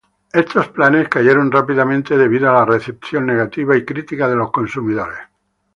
Estos planes cayeron rápidamente debido a la recepción negativa y críticas de los consumidores.